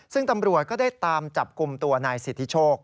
ซึ่งตำรวจก็ได้ตามจับกลุ่มตัวนายสิทธิโชค